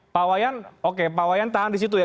pak wayan oke pak wayan tahan di situ ya